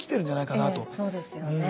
そうですよね。